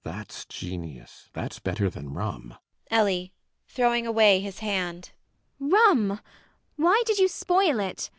That's genius. That's better than rum. ELLIE [throwing away his hand]. Rum! Why did you spoil it?